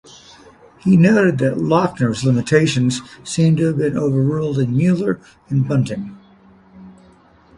He noted that "Lochner"s limitations seemed to have been overruled in "Muller" and "Bunting".